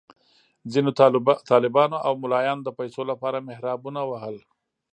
ځینو طالبانو او ملایانو د پیسو لپاره محرابونه وهل.